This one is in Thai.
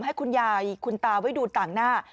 ให้คุณยายคุณตาไว้ดูต่างหน้า